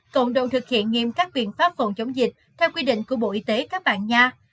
cộng đồng thực hiện nghiêm các biện pháp phòng chống dịch theo quy định của bộ y tế các bạn nga